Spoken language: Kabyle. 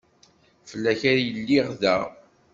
Fell-ak ay lliɣ da.